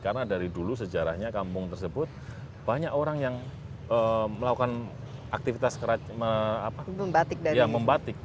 karena dari dulu sejarahnya kampung tersebut banyak orang yang melakukan aktivitas membatik